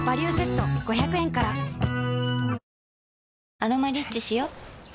「アロマリッチ」しよ